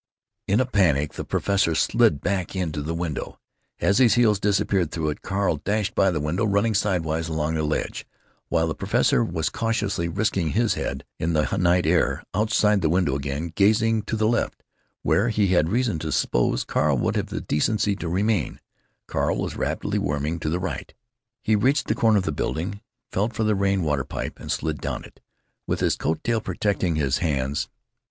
In a panic the professor slid back into the window. As his heels disappeared through it, Carl dashed by the window, running sidewise along the ledge. While the professor was cautiously risking his head in the night air outside the window again, gazing to the left, where, he had reason to suppose, Carl would have the decency to remain, Carl was rapidly worming to the right. He reached the corner of the building, felt for the tin water pipe, and slid down it, with his coat tail protecting his hands.